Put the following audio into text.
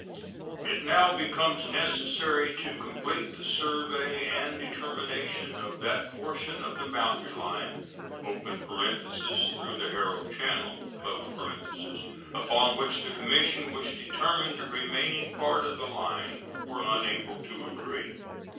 It now becomes necessary to complete the survey and determination of that portion of the boundary line (through the Haro Channel) upon which the commission which determined the remaining part of the line were unable to agree.